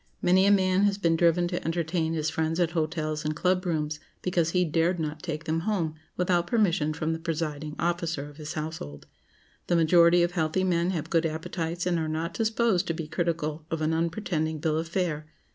Many a man has been driven to entertain his friends at hotels and club rooms, because he dared not take them home without permission from the presiding officer of his household. The majority of healthy men have good appetites and are not disposed to be critical of an unpretending bill of fare.